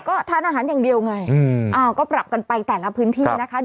ก็ทานอาหารอย่างเดียวไงก็ปรับกันไปแต่ละพื้นที่นะคะ